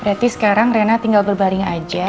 berarti sekarang rena tinggal berbaring aja